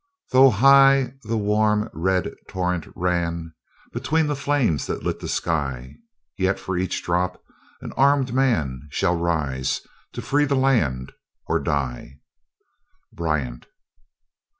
Though high the warm, red torrent ran, Between the flames that lit the sky; Yet, for each drop, an armed man Shall rise, to free the land, or die. Bryant.